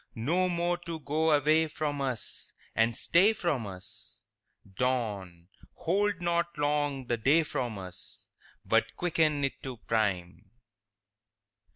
No more to go away from us And stay from us?— Dawn, hold not long the day from us, But quicken it to prime!